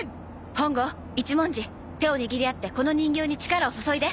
本郷一文字手を握り合ってこの人形に力を注いで。